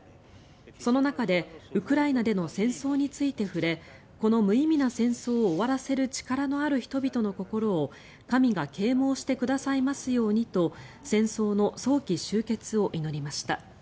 その中でウクライナでの戦争について触れこの無意味な戦争を終わらせる力のある人々の心を神が啓もうしてくださいますようにと戦争の早期終結を祈りました。